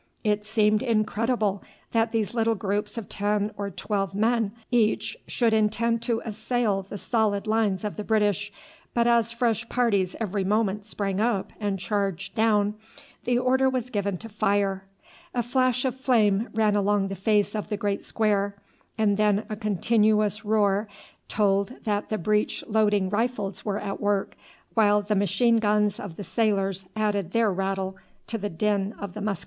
It seemed incredible that these little groups of ten or twelve men each should intend to assail the solid lines of the British, but as fresh parties every moment sprang up and charged down, the order was given to fire. A flash of flame ran along the face of the great square, and then a continuous roar told that the breech loading rifles were at work, while the machine guns of the sailors added their rattle to the din of the musketry.